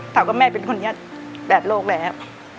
แต่ว่าแม่เป็นคนยัดแบบโรคแหละ